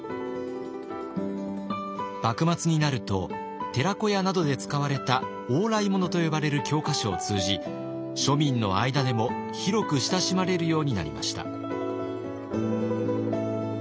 幕末になると寺子屋などで使われた「往来物」と呼ばれる教科書を通じ庶民の間でも広く親しまれるようになりました。